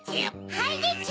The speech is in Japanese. はいでちゅ！